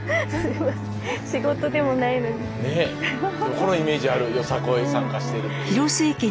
このイメージあるよさこい参加してるっていう。